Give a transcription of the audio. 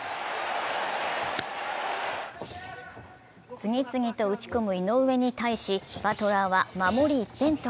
次々と打ち込む井上に対しバトラーは守り一辺倒。